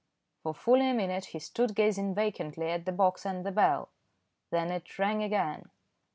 For fully a minute he stood gazing vacantly at the box and the bell. Then it rang again.